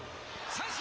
三振！